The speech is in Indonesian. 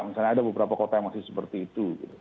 misalnya ada beberapa kota yang masih seperti itu